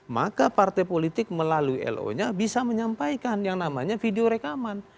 maka partai politik melalui lo nya bisa menyampaikan yang namanya video rekaman